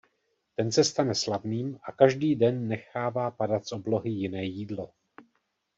Ten se stane slavným a každý den nechává padat z oblohy jiné jídlo.